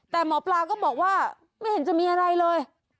แต่หมอปลาก็บอกว่าไม่เห็นจะมีอะไรเลย